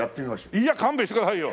いや勘弁してくださいよ。